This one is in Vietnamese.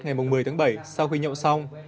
ngày một mươi tháng bảy sau khi nhậu xong